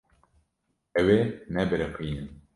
Ew ê nebiriqînin.